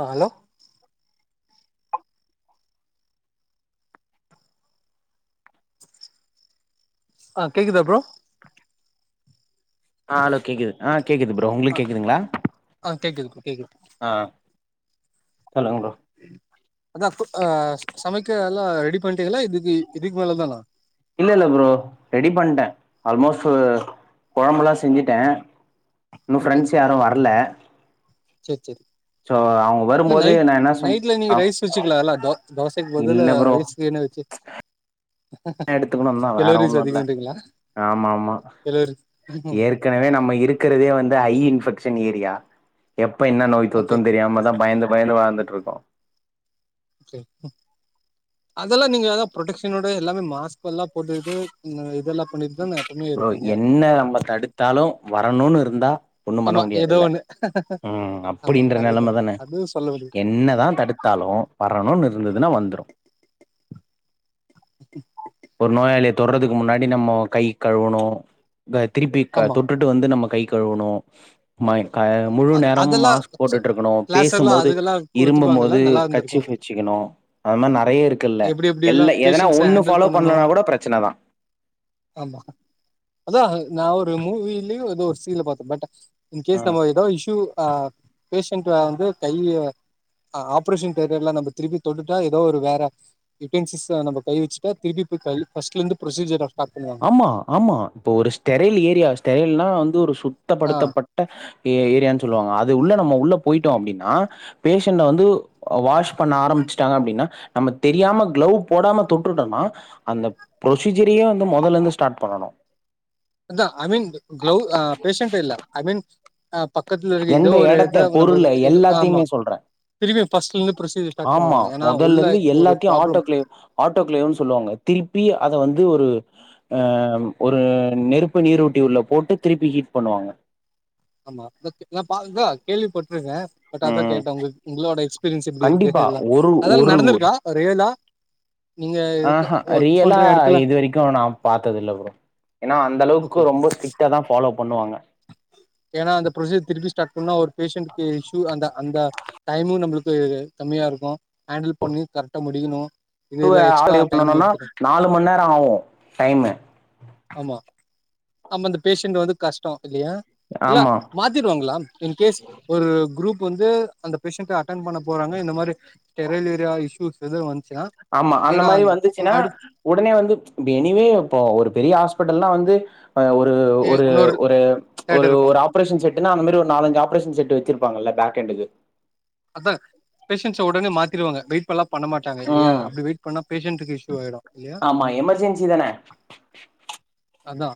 ஆ hello ஆ கேக்குதா bro ஆ அலோ கேக்குது ஆ கேக்குது ப்ரோ உங்ளுக் கேக்குதுங்களா ஆ கேக்குது கேக்குது ஆ ஆ சொல்லுங்க ப்ரோ அதா ஆ சமைக்க எல்லாம் ரெடி பண்ட்டிங்கலா இத் இதி இதுக்கு மேல தானா இல்லல்ல ப்ரோ ரெடி பண்டேன் ஆல்மோஸ்ட்டூ கொழம்புலா செஞ்சுட்டே இன்னு ஃப்ரெண்ட்ஸ் யாரு வர்ல சேர் சேர் ன்ன வரும்போது நைட் நா என்ன சொன் நைட்ல நீங்க ஆ ரைஸ் வெச்சிக்கலால தோ தோசைக்கு பதுலு இல்ல ரைஸ் வேனா வெச்சு [inaudible] எடுத்துக்குணுந்தா வேற ஒன்னுல்ல அதிகன்றீங்களா ஆமாம்மா கெலோரி ம் ஏற்கனவே நம்ம இருக்குறதே வந்து ஐ இன்ஃபெக் ஷன் ஏரியா எப்ப என்ன நோய்த் ஓகே தொத்துன் தெரியாமதா பயந்து பயந்து வாழ்ந்துட்ருக்கோ அதெல்லா நீங்கதாங்க ப்ரொட்டக்ஷனோட எல்லாமே மாஸ் க்கெல்லா போட்டுட்டு நா இதெல்லா பண்ணிட்தான எப்போமே இருப்பீங்க வரணூனு இருந்தா ஒண்ணும் பண்ண ஆமா ஏதோ முடியாதுல்ல ஒன்னு ம் அப்டின்ற நெலமதானே அதுவு சொல்ல முடியு என்னதா ஆமா தடுத்தாலு வரணூனு இருந்ததுனா வந்துரு [inaudible] [unintelligible] ஒரு நோயாளிய தொட்றதுக்கு முன்னாடி நம்மோ கை கழுவணு ப திருப்பி க ஆமா தொட்டுட்டு வந்து நம்ம கை கழுவணு மைன் அ முழு நேரமு அதெல்லா மாஸ்க் போட்டுட்ருக்கணு கிளாஸ் எல்லா பேசும்மோது அதுக்கெல்லா இரும்பம் குடுத்துப்பாங்கல்ல மோது நல்லா இருந்திருக்கு கர்ச்சிஃப் வெச்சிக்கணு ஒ அதுமாரி நெறைய இருக்குல்ல எப்டி எப்டி எல்லா எதனா பேஷன்ஸ ஒன்னு ஹேண்டில் ஃபாலோப் பண்ணனு ஆமா அதா நா ஒரு மூவிலயோ எதோ ஒரு சீன்ல பாத்தே பட் இன் கேஸ் ஆ நம்ம இ இஷ்யூ ஆ பேஷண்ட்ட வந்து கைய ஆ ஆப்ரேஷன் தேட்டர்ல நம்ப திருப்பி தொட்டுட்டா எதோ ஒரு வேற யூட்டேன்சிஸ்ஸ நம்ப கை வெச்சுட்டா திருப்பி திருப்பை ஃபஸ்ட்லருந்து ப்ரொசீஜரா ஆமா ஆமா இப்போ ஒரு ஸ்டெரல் ஏரியா ஸ்டெரல்னா வந்து ஒரு ஆ சுத்தப்படுத்தப்பட்ட ஏ ஏரியான் சொல்லுவாங்க அது உள்ள நம்ம உள்ள போய்ட்டோ அப்டின்னா பேஷண்ட்ட வந்து அ வாஷ் பண்ண ஆரம் ச்ட்டாங்க அப்டின்னா நம்ம தெரியாம கிளவ் போடாம தொட்ருட்டனா அந்த புரொசீஜரயே என்ன மொதல்லருந்து ஸ்டார்ட் பண்ணனு அதா ஐ மீன் கிளவ் ஆ பேஷண்ட் இல்ல ஐ மீன் ஆ பக்கத்துல இருக்க ஏதோ எந்த ஒரு எடத்த இத நம்ம பொருள ஆமா எல்லாத்தைமே சொல்றே திரும்பி ஃபர்ஸ்ட்ல இருந்து ப்ரொசீஜர் ஸ்டார்ட் ஆமா பண்ணுவாங்க ஏன்னா உள்ள மொதல்லருந்து ஒரு எல்லாத்தையு ப்ராப்ளம் ஆட்டோ கிளேவ் ஆட்டோ கிளேவுன் சொல்லுவாங்க திருப்பி அத வந்து ஒரு அ ஒரு நெருப்பு நீரோட்டி உள்ள போட்டு திருப்பி ஹீட் பண்ணுவாங்க ஆமா நா பாக்தா கேள்விப்பட்ருக்கே பட் அதா ம். கேட்டே உங்கள் உங்களோட எக்ஸ்பீரியன்ஸ் எப்டி இருக்குனு கண்டிப்பா. எல்லா ஒரு அதா ஒரு நடந்திருக்கா அ ரியலா நீங்க இருக்க ஆஹா ஒர்க் பண்ற ரியலா எடத்துல இது வரைக்கு நா பாத்ததில்ல ப்ரோ நா அந்த அளவுக்கு ரொம்ப ஸ்ட்ரிக்டா தா ஃபாலோ பண்ணுவாங்க ஏனா அந்த ப்ரொசீர் திருப்பி ஸ்டார்ட் பண்ணா ஒரு பேஷண்டக்கு இஷ்யு அந்த அந்த டைமு நம்மளுக்கு கம்மியா இருக்கு ஹேண்டில் பண்ணி கரெக்டா முடிக்கணு புது இதுல எக்ஸ்ட்ரா ஆளு டைம் பண்ணனுனா எடுத்துக்கு நாலு மண் நேர ஆவு டைமு நம்ம அந்த பேஷண்ட்ட வந்து கஷ் இல்லையா இல்ல ஆமா மாத்திருவாங்ளா இன் கேஸ் ஒரு குரூப் வந்து அந்த பேஷன்ட்ட அ ட்டன் பண்ண போறாங்க இந்த மாரி ஸ்டரைல் ஏரியா இஸ்யூஸ் எது வந் ஆமா அந்த மாரி வந்துச்சுனா ஒடனே வந்து எனிவே அப்ப ஒரு பெரிய ஹாஸ்பிட்டல்ன்னா வந்து அ ஒரு ஏ ஒரு இன்னொரு ஒரு ஒரு தேட்டர் இருக்கு ஒரு ஆப்ரேஷன் செட்டுனா அந்த மாரி ஒரு நாலஞ்சு ஆப்ரேஷன் செட்டு வச்சிருப் ப்பாங்கல்ல பேக்கெண்டுக்கு அதா பேஷண்ட்ஸ ஒடனே மாத்திருவாங்க வெயிட் பண்லா பண்ணமாட்டாங்க இல்லையா ம் அப்டி வெயிட் பண்ணா பேஷண்ட்டுக்கு இஷ்யுவாய்டு ஆமா எமர்ஜென்சி தானே அதா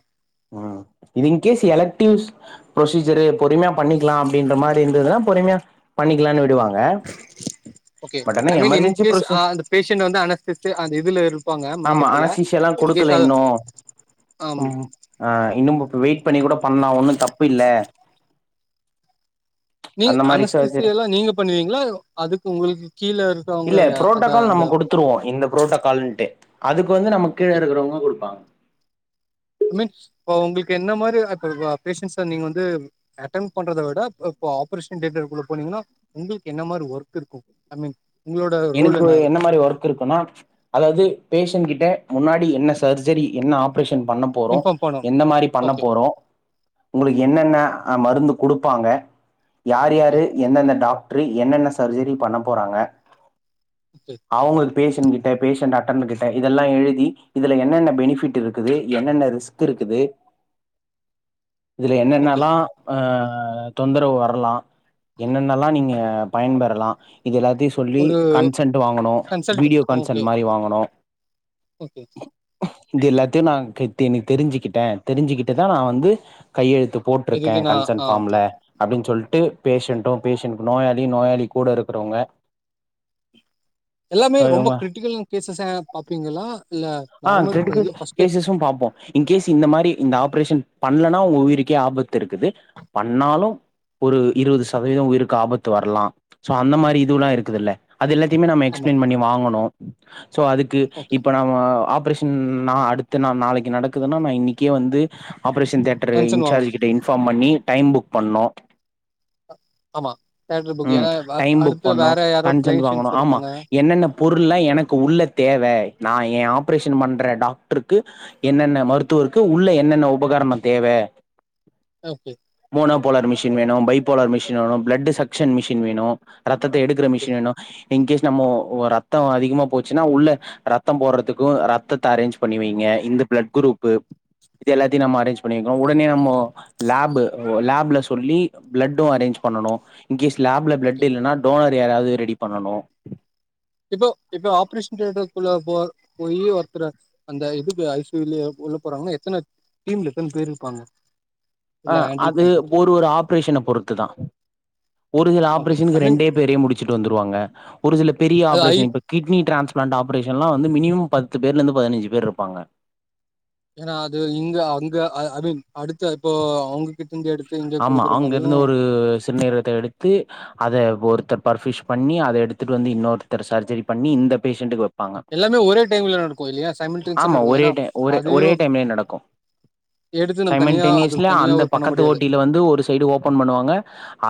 ம் இது இங்கேஸ் எலக்டிவ்ஸ் ப்ரொசீஜர்ரு பொறுமையா பண்ணிக்லா அப்டின்ட மாரி இருந்ததுனாப் பொறுமையா பண்ணிக்கலான்னு விடுவாங்க ஓகே பட் ஆனா ஐ மீன் எமர்ஜென்சி இன்கேஸ் ப்ரொசி ஆ அந்த பேஷன்ட் வந்து அனஸ்த்தித்தி அந்த இதுல இருப்பாங்க மயக்கத்துல எல்லா குடுக்கல இன்னு ஆம் ம் ஆ இன்னும்புப்பு வெயிட் பண்ணி கூட பண்ணா ஒண்ணு தப்பில்ல நீ மாரி சர்ஜரி அனஸ்திஸ்சியாலா நீங்க பண்ணுவீங்ளா அதுக்கு உங்களுக்கு கீழ இருக்கவங்க இல்ல அத புரோட்டோக்கால் அந்த நம்ம குடுத்துருவோ இந்த ப்ரோட்டோக்காலுன்ட்டு அதுக்கு வந்து நம்ம கீழ ஓகே இருக்கிறவங்க குடுப்பாங் ஐ மீன் இப்போ உங்களுக்கு என்ன மாரி [unintelligible] பேஷன்ஸ்ஸ நீங்க வந்து அட்டன் பண்றத விட அப் ப்போ ஆப்ரேஷன் தேட்டர் குள்ள போனீங்கன்னா உங்களுக்கு என்ன மாரி ஒர்க் இருக்கு ஐ மீன் உங்களோட ரோல் எனக்கு என்ன இருக்கு மாரி ஒர்க் இருக்குன்னா அதாவது பேஷன் கிட்ட முன்னாடி என்ன சர்ஜரி என்ன ஆப் ப்ரேஷன் பண்ண போறோ இன்ஃபார்ம் பண்ணு எந்த மாரி பண்ண ஓகே போறோ உங்களுக்கு என்னென்ன அ மருந்துப் குடுப்பாங்க யாரு ஓகே யாரு எந்தெந்த டாக் ட்ரு என்னென்ன சர்ஜரி பண்ண போறாங்க ஓகே அவங்க பேஷன் கிட்ட பேஷன்ட் டாக் டன்னுகிட்ட இதெல்லா எழுதி இதுல என்னென்ன பெனிஃபிட் இருக்குது என்னென்ன ரிஸ்க் இருக்குது [inaudible] இதுல ஓகே என்னென்னலா அ அ தொந்தரவு வரலா என்னென்னல்லா நீங்க பயன்பெறலா இது எல்லாத்தையு சொல்லி ஒரு கன்சன்ட் வாங்கனு கன்சல்ட் வீடியோ ஓகே கன்சென்ட் மாரி வாங்கனு ஓகே இது எல்லாத்தையு நா கெத்தேனி தெரிஞ்சுக்கிட்ட தெரிஞ்சுக்கிட்டு தா நா வந்து கையெழுத் த்து போட்ருக்கே இதுக்கு நா கன்சன் ஆ ஓகே ஃபாம்ல அப்டின்னு சொல்ட்டு ஓகே பேஷன்ட்டு பேஷன் நோயாளி நோயாளி கூட இருக்கிறவுங்க எல்லாமே ரொம்ப கிரிட்டிக்கல் கேசஸ்சா பாப்பீங்களா இல்ல ஆ நார்மல் கிரிட்டிக்கல் இல் ஃபஸ்ட்டு கேசஸும் பாப்போ இன்கேஸ் இந்த மாரி இந்த ஆப் பிரேஷன் பண்லனா உங்க உயிருக்கே ஆபத்திருக்குது பண்ணாலு ஒரு இருவது சதவீதோ உயிருக்கு ஆபத்து வர்லா சோ அந்த மாரி இதுவுல்லா இருக்குதுல்ல அது எல்லாத்தையுமே நம்ம ஆமா எக்ஸ்பிளைன் பண்ணி வாங்கணு சோ அதுக்கு ஓகே இப்போ நம்ம ஆப் ப்ரேஷன் நா அடுத்து நா நாளைக்கு நடக்குதுனா நா இன்னைக்கே வந்து ஆப்ரேஷன் தேட்டரு கன்சர்ன் இன்சார்ஜ் வாங்கணு கிட்ட இன்ஃபாம் பண்ணி டைம் புக் பண்ணோ ஆமா தேட்ரு புக் ஏனா வா அடுத்து வேற யாரோப் ஜென்டு வாங்கணு ஆமா என்னென்ன பொருள்லா எனக்கு உள்ள தேவ நா ஏ ஆப்ரேஷன் பண்ற டாக்டருக்கு என்னென்ன மருத்துவருக்கு உள்ள என்னென்ன உபகரணோ தேவ வே ஓகே மோனோ போலர் மிஷின் வேணு பை போலர் மிஷின் வேணு பிளட்டு சக்ஷன் மிஷின் வேணு ரத்தத்த எடுத் ஓகே யேனு இன்கேஸ் நம்மோ ஒ ரத்தோ அதிகமா போச்சுன்னா உள்ள ரத்தம் போடுறத்துக்கு ரத்தத்த அரேஞ்ச் பண்ணி வைங்க அ இந்த பிளட் குரூப்பு இது எல்லாத்தையு நம்ம அரேஞ்ச் பண்ணிருக்கோ உடனே நம்மோ லேப்பு லேப்ல சொல்லி பிளட்டு அரேஞ்ச் பண்ணனு இன்கேஸ் லேப்ல ஓகே பிளட் இல்லனா டோனர் யாராவது ரெடி பண்ணனு இப்போ இப்ப ஆப்ரேஷன் தேட்டருக்குள்ள போ போய் ஒருத்தர அந்த இதுக்கு ஐ சி யுலே போய் உள்ள போறாங்கனா எத்தன டீம்ல எத்தன பேருப்பாங்க அ அது ஒரு ஒரு ஆப்ரேஷன பொறுத்து தா ஒரு சில ஓகே ஐ ஆப்ரேஷன்க்கு மீன் ரெண்டே பேரே முடிச்சுட்டு வந்துருவாங்க ஒரு சில பெரிய அது ஐ ஆப்ரேஷன் இப்ப கிட்னி டிரான்ஸ் பிளான்ட் ஆப்ரேஷன்லா வந்து மினிமம் பத்து பேர்ல இருந்து பதினஞ்சு பேர்ருப்பாங்க ஏனா அது இங்க அங்க அ ஐ மீன் அடுத்த இப்போ அவுங்க கிட் ஆமா அங்க இருந்து ஒரு சிறுநீரகத்த எடுத்து அத பொறுத் தோ பர்ஃபிஷ் பண்ணி அத எடுத்துட்டு வந்து இன்னொருத்தரு சர்ஜரி பண்ணி இந்த பேஷன்ட்டுக்கு வப் பாங்க எல்லாமே ஒரே டைம்ல நடக்கு இல்லையா சைமல்டேனியஸா ஆமா நடக்கு ஒரே ஏன்னா டைம் ஒரே அது ஒரே டைம்மே நடக்கு எடுத்து நம்ம சைமன் தனியா அது டென்னிஸ்ல தனியா அந்த பண்ண பக்கத்து முடியாது ஓட்டி ல வந்து ஒரு சைடு ஓபன் பண்ணுவாங்க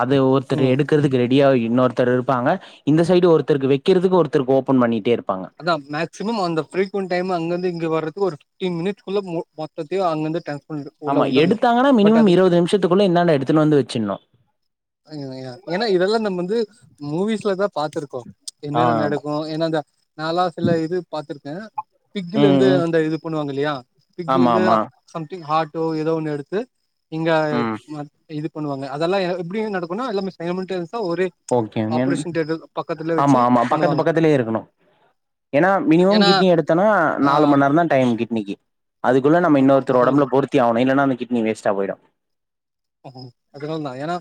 அது ஒருத்தர் ம் எடுக்கிறதுக்கு ரெடியா இன்னொருத்தர் இருப்பாங்க க இந்த சைடு ஒருத்தருக்கு வக்கிறதுக்கு ஒருத்தருக்கு ஓபன் பண்ணிட்டே இரு அதா மேக்சிமம் அந்த பிரீகுவண்ட் டைம் அங்கிருந்து இங்க வர்ற கு ஒரு ஃப்டீன் மினிட்ஸ்குள்ள மொ மொத்ததையு அங்கருந்து ட ஆமா எடுத்தாங்கனா மினிமம் இருபது நிமிஷத்துக்குள்ள இந்தாண்ட எடுத்துனு வந்து வச்சிருணு வைங்க வைங்க ஏனா இதெல்லா நம் வந்து மூவிஸ்ல தா பாத்துருக்கோ ஆ என்னென்ன நடக்கு ஏனா இந்த நாலா சில இது பாத்துருக் கே பிக்ல ம் இருந்து ம் அந்த இது பண்ணுவாங்க இல்லீயா பிக்ல ஆமா இருந்து ஆமா சம்திங் ஹார்ட் டோ ஏதோ ஒண்ணு எடுத்து இங்க ம் ம இது பண்ணுவாங்க அதெல்லா எப்டிங்க நடக்குனா எல்லாமே சைமன் டெஸ் ஆ ஒரே ஓகேங்க ஆப்ரேஷன் தேட்டருகு பக்கத்துலே வச்சு ஆமா பண்ணுவாங்க ஏனா மினிமம் ஏன்னா கிட்னி எடுத்தோனா ஆ நாலு ம நேரோ தா டைம் கிட்னிக்கு அதுக்குள்ள நம்ம ஓகே இன்னொருத்தரு அதனால ஒடம்புல பொருத்தி ஆவனு இல்லனா அந்த கிட்னி வேஸ்டா போயிடு ஆ அதுனால தா ஏனா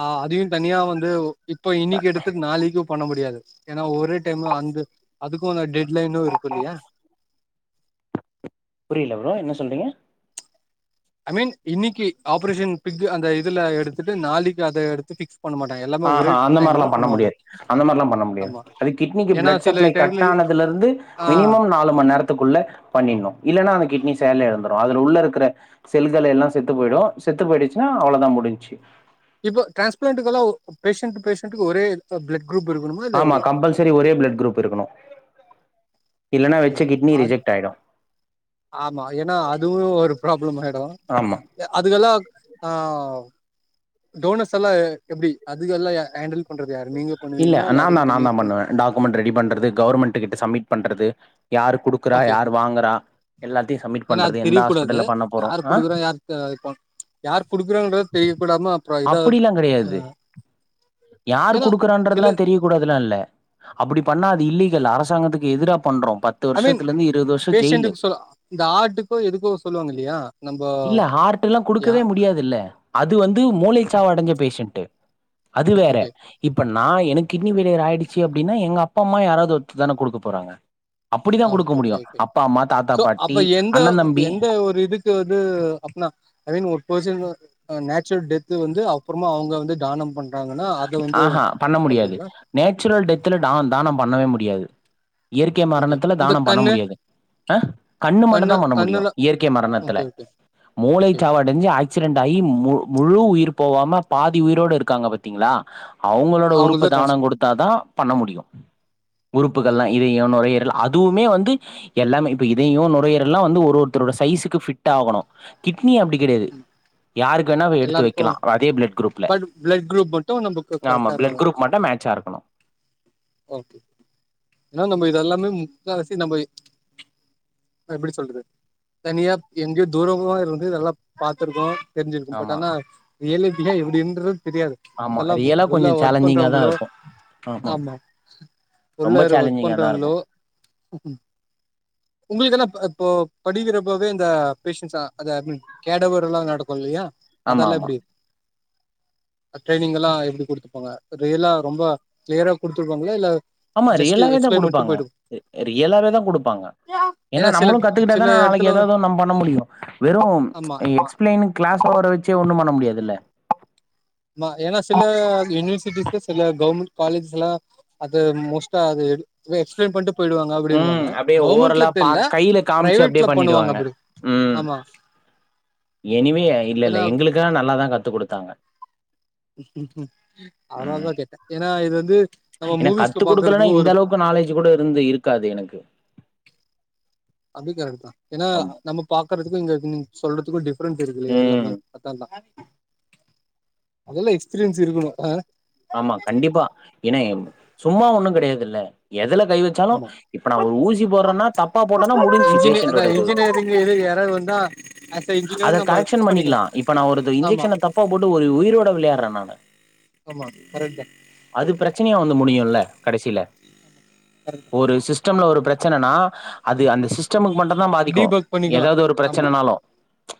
ஆ அதயு தனியா வந்து இப்போ இன்னிக்கு எடுத்துட்டு நாளைக்கு பண்ண முடியாது ஏனா ஒரே டைம் அந்த அதுக்கு அந்த டெட் லைனு இருக்கு இல்லையா புரியல ப்ரோ என்ன சொல்றீங்க ஐ மீன் இன்னைக்கு ஆப்ரேஷன் பிக் அந்த இதுல எடுத்துட்டு நாளைக்கு அத எடுத்து பிக்ஸ் பண்ண மாட்டாங்க எல்லாமே ஆ ஒரே அந்த மாரிலா டைம்ல பண்ண பண்ணுவாங்க முடியாது அந்த மாரிலா பண்ண முடியாது ஆமா அது கிட்னிக்கு ஏன்னா பிளட் சில சப்ளை டைம்ல கட் ஆனதுல இருந் ந்து ஆ மினிமம் நாலு ம நேர க்குள்ள பண்ணினும் இல்லன்னா அந்த கிட்னி செயல் இளந்துடு அதுல உள்ள இருக்க செல்கள் எல்லா செத்து போயிடு செத்து போயிடுச்சுன்னா அவ்ளோத முடி ச்சு இப்ப டிரான்ஸ்பிளான்யேல்லா பேஷன்ட் பேஷண்டக்கு ஒரே பிளட் குரூப் இருக்கணுமா இல்ல எப்டி ஆமா கம்பல்சரி ஒரே பிளட் குரூப் இருக்கணு இல்ன்னா வச்சு ம் கிட்னி அது ரிஜெக்ட் ஆயிடு ஆமா ஏன்னா அதுவு ஒரு ப்ராப்ளம் ஆயிடு ஆமா அதுக்கெல்லா ஆ டோனஸ் எல்லா எப்படி அது எல்லா ஹேண்டில் பண்றது யாரு நீங்க இல்ல பண்ணுவீங்களா நா தா அதுக்கு நா தனி தா டீம் பண்ணுவே டாக்குமெண்ரி ரெடி பண்றது கவர்மெண்ட் கிட்ட சப்மிட் பண்றது யார்ரு குடுக்குறா ஓகே யார்ரு வாங்குறா எல்லாத்தையு சப்மிட் ஏன்னா அது பண்றது எந்த தெரிய கூடாது ஹாஸ்பிட்டல்ல பண்ண போறோ யார் ஆ குடுக்குறா யார் யார் குடுக்குறாங்கறத தெரியக்கூடாம அப்புறம் இதா அ யார் கொடுக்குறன்றதெல்லா தெரியக்க கூடாதுல்லா இல்ல அப்படி பண்ணா அது இல்லி இல்ல அரசாங்கத்துக்கு எதிரா பண்றோ பத்து ஐ மீன் வருஷத்துல இருந்து இருவது வருஷோ ஜெயிலு பேஷன்ட்க்கு சொ இந்த ஆட்க்கோ எதுக்கோ சொல்லுவாங்க இல்லையா நம்ப ஆர்ட் எல்லா கொடுக்கவே முடியாதுல்ல அது வந்து மூளை சாவு அடைஞ்ச பேஷன்ட் அது வேற ஓகே இப்ப நா எனக்கு கிட்னி ஃபைல்லியர் ஆயிடுச்சு அப்படின்னா எங்க அப்பா அம்மா யாராவது ஒருத்து தான கொடுக்க போறாங்க அப்படித்தா ஆ கொடுக்க ஓகே முடியு ஓகே அப்பா அம்மா தாத்தா சோ அப்ப பாட்டி எந்த அண்ண தம்பி எந்த ஒரு இதுக்கு வந்து அப்பனா ஐ மீன் ஒரு பெர்சன் நேச்சுரல் டெத்து வந்து அப்புறமா அவங்க வந்து தானம் பண் ஆ அ பண்ண முடியாது நேச்சுரல் டெத்துல தா தானம் பண்ணவே முடியாது இயற்கை ஓகே மரணத்துல இந்த தானம் பண்ண கண்ணு முடியாது அ கண்ணு மட்டும்தா பண்ண முடியு இயற்கை மரணத்துல ஓகே ஓகே மூளை ஓகே சாவ அடைஞ்சு ஆக்சிடெட் ஆகி முழு உயிர்ப் போவாம பாதி உயிரோடு இருக்காங்க பாத்தீங்களா அவங்களோட உறுப்ப அவங்கள்தா டிரான்ஸ் தானம் கொடுத்தாதா பண்ண முடியு ஓகே உறுப்புகல்லா இதையோ நுரையீர அதுவுமே வந்து எல்லாமே இப்ப இதயோ நுரையீறலா வந்து ஒருத்தரோட சைசுக்கு பிட் ஆகணு கி ட்னி அப்படி கிடையாது யாருக்கு வெனா எடுத்து எல்லாருக்கு வைக்கலா அதே பிளட் குரூப் பட் பிளட் கு த்து நம்பக்கு கரெக்டா பிளட் இருக்காங்க குரூப் மட்டு மேட்சா இருக்கணு ஓகே ஏன்னா நம்ம இதெல்லாமே முக்காவாசி நம்ப எப்டி சொல்றது தனியா எங்கேயோ தூரமா இருந்து இதெல்லா பாத்துருக்கோ தெரிஞ்சிருக்கும் பட் ஆமா ஆனா ரியல் லைஃப் ல எப்டின்றது தெரியாது ஆமா அதெல்லா ரியலா உள்ள கொஞ்சோ ஒர்க் சேலஞ்சிங்கா தா பண்றவங்களோ இருக்கு ஆமா ரொம்ப உள்ளார ஒர்க் சேலஞ்சிங்கா தா இருக்கு பண்றவுங்களோ உங்களுக்கு என்ன இப்ப இப்போ படிக்கிறப்போவே இந்த பேஷன்ஸ்லா அதா ஐ மீன் கேடவர் எல்லா நடக்கும் இல்லியா ஆமா அதெல்லா ஆமா எப்டி ஆ ட்ரைனிங் எல்லா எப்டி குடுத்துருப்பாங்க ரியலா ரொம்ப கிளியரா குடுத்துருப்பாங்களா இல்ல ஆமா ஜஸ்ட் ரியலாவேதா எக்ஸ்பிளைன் மட்டு குடுப்பாங்க போயிடு ரியலாவேதா குடுப்பாங்க ஏன்னா சில நம்மளும் கத்துக்கிட்டா சில தான நாளைக்கு எடத்துல ஏதாவதொன் நம் பண்ண முடியு வெறு ஆ ஆமா எக்ஸ்பிளைன் கிளாஸோட வெச்சே ஒன்னும் பண்ண முடியாதுல்ல ஆமா ஏனா சில யுனிவர்சிட்டிஸ்ல சில கவுர்மெண்ட் காலேஜ்ஸ்லா அத மோஸ்ட்டா அத எடுக்கவே எக்ஸ்பிளைன் பண்ட்டு போயிடுவாங்க ம் அப்டினுவாங்க அப்டியே கவுர்மெண்ட்ல ஓரலா பா தெர்ல கையில காமிச்சு அப்டியே பிரைவேட்ல பண்ணுவாங்க பண்ணிடுவாங்க அப்படி ம் ஆமா எனிவே ஐ ஏன்னா இல்லல்ல எங்களுக்கெல்லா நல்லாதா கத்துக் குடுத்தாங்க அதனாலதா கேட்ட ஏன்னா இது வந்து நம்ம ஏனா மூவிஸ்ல கத்துக் குடுக்கலன்னா பாக்குறதுக்கு ஒரு இந்தளவுக்கு நாலேஜ் கூட இருந்து இருக்காது எனக்கு அதுவு கரெக்ட்தா ஏன்னா ஆமா நம்ம பாக்கறதுக்கு இங்க சொல்றதுக்கு டிஃப் ரென்ட் இருக்கு ம் எல்லாமே அதெல்லா அதெல்லா எக்ஸ்பீரியன்ஸ் இருக்கணு ஆ ஆமா கண்டிப்பா. ஏன்னா சும்மா ஒன்னும் கெடையாதுல்ல எதுல கை வச்சாலு ஆமா இப்ப நா ஒரு ஊசி போடுறேன்னா தப்பா போட்டேன்னா முடிஞ்சுச்சி இன்ஜினிய அதா பேஷண்டோட இது இன்ஜினியரிங் இது யாராவது வந்தா ஆஸ் அ அத இன்ஜினியர் நம்ம கரெக்ஷன் ஃபிக்ஸ் பண்ணிக்கலா இப்ப நா ஒரு ஆமா இன்ஜெக்ஷன தப்பா போட்டு ஒரு உயிரோட விளையாட்ற நானு ஆமா கரெக்ட் தா அது பிரச்சனையா வந்து முடியும்ல கடைசில கரெக்ட் தா ஒரு சிஸ்டம்ல ஒரு பிரச்சனன்னா அது அந்த சிஸ்டமுக்கு மட்டுந்தா பாதிக்கும் டீபக் பண்ணிக்கலா ஏதாது ஒரு ஆமா பிரச்சனன்னாலு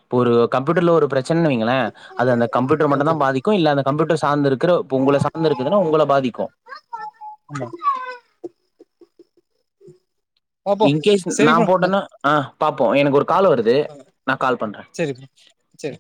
இப்போ ஒரு கம்ப்யூட்டர்ல ஒரு பிரச்சனனு வைங்கள அது அந்த கம்யூட்டர் மட்டுந்தா ஓகே பாதிக்கும் இல்ல அந்த கம்யூட்டர் சார்ந்து இருக்குற இப்போ உங்கள சார்ந்து இருக்குதுன்னா உங்கள பாதிக்கும் ஆமா [inaudible] இன்கேஸ் சரி நா ப்ரோ போட்டேன்னா ஆ பாப்போ எனக்கு ஒரு கால் வருது நா கால் பண்ற சரி ப்ரோ சரி